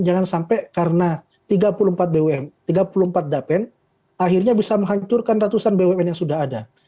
jangan sampai karena tiga puluh empat bumn tiga puluh empat dapen akhirnya bisa menghancurkan ratusan bumn yang sudah ada